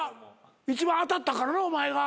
一番当たったからなお前が。